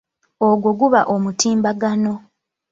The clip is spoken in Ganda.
Ogwo guba omutimbagano.